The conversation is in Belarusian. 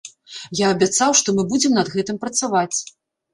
Я абяцаў, што мы будзем над гэтым працаваць.